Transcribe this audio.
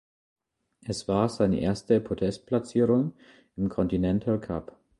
Es war seine erste Podestplatzierung im Continental Cup.